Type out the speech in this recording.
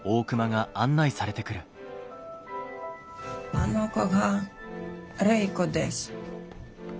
あの子が礼子です。